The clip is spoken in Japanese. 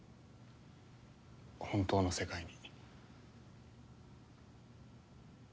本当の世界に。